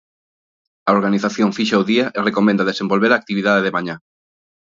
A organización fixa o día e recomenda desenvolver a actividade de mañá.